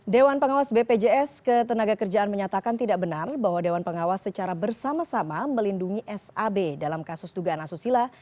dewan pengawas bpjs ketenaga kerjaan menyatakan tidak benar bahwa dewan pengawas secara bersama sama melindungi sab dalam kasus dugaan asusila